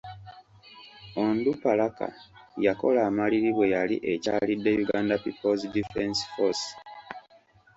Onduparaka yakola amaliri bwe yali ekyalidde Uganda People's Defence Force.